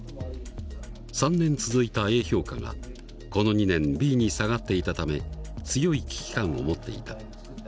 ３年続いたＡ評価がこの２年Ｂに下がっていたため強い危機感を持っていた。